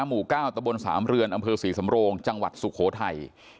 หมู่๙ตะบนสามเรือนอำเภอศรีสำโรงจังหวัดสุโขทัย